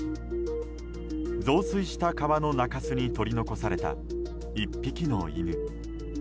増水した川の中州に取り残された１匹の犬。